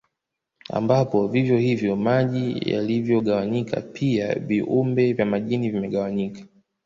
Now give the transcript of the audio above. Ambapo vivyo hivyo maji yalivyogawanyika pia viumbe vya majini vimegawanyika